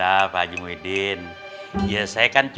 apa mau demo gede gede yang